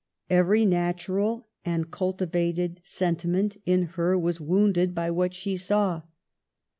Every natural and cultivated sentiment in her was wounded by what she saw.